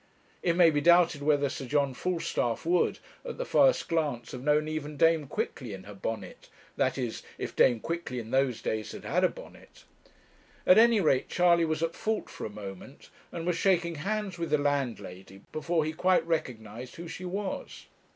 It may be doubted whether Sir John Falstaff would, at the first glance, have known even Dame Quickly in her bonnet, that is, if Dame Quickly in those days had had a bonnet. At any rate Charley was at fault for a moment, and was shaking hands with the landlady before he quite recognized who she was.